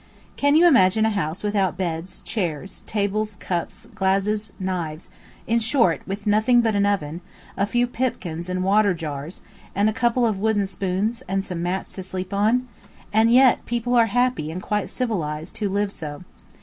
Can you imagine a house without beds, chairs, tables, cups, glasses, knives—in short, with nothing but an oven, a few pipkins and water jars, and a couple of wooden spoons, and some mats to sleep on? And yet people are happy and quite civilized who live so.